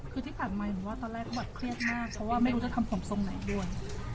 คือที่ผ่านมาหนูว่าตอนแรกเขาแบบเครียดมากเพราะว่าไม่รู้จะทำผมทรงไหนด้วย